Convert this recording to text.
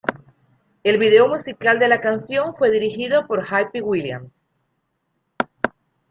El video musical de la canción fue dirigido por Hype Williams.